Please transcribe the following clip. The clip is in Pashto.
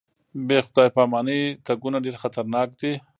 بې خدای پاماني تګونه ډېر خطرناک دي.